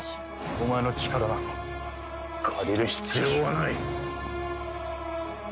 お前の力など借りる必要はない！